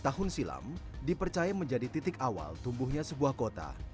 empat ratus sembilan puluh empat tahun silam dipercaya menjadi titik awal tumbuhnya sebuah kota